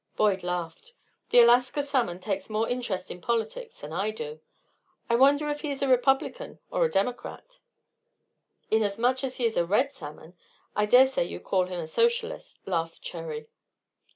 Boyd laughed. "The Alaska salmon takes more interest in politics than I do. I wonder if he is a Republican or a Democrat?" "Inasmuch as he is a red salmon, I dare say you'd call him a Socialist," laughed Cherry.